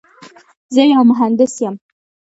زه یو مهندس یم.